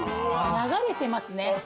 流れてますね。